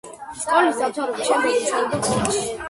სკოლის დამთავრების შემდეგ მუშაობდა ფოსტაში.